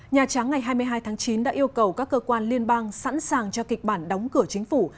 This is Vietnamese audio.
nhà trắng ngày hai mươi hai tháng chín đã yêu cầu các cơ quan liên bang sẵn sàng cho kịch bản đóng cửa chính phủ